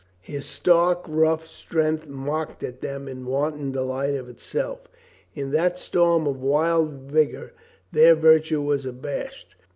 His stark, rough strength mocked at them in wanton delight of itself. In that storm of wild vigor their virtue was abashed.